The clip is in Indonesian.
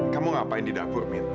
kamu ngapain di dapur minta